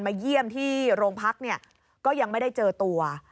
เยี่ยมที่โรงพักเนี่ยก็ยังไม่ได้เจอตัว